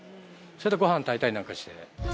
それでご飯炊いたりなんかして。